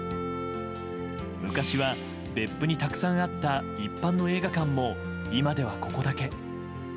昔は別府にたくさんあった一般の映画館も、今ではここだけ。